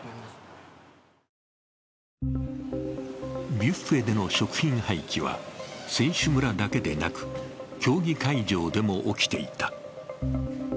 ビュッフェでの食品廃棄は、選手村だけでなく競技会場でも起きていた。